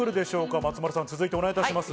松丸さん、続いてお願いします。